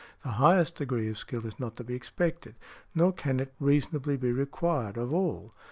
The highest degree of skill is not to be expected, nor can it reasonably be required, of all.